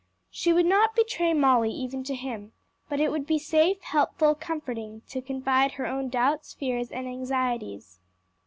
She would not betray Molly even to him, but it would be safe, helpful, comforting to confide her own doubts, fears and anxieties.